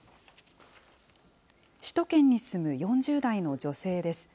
首都圏に住む４０代の女性です。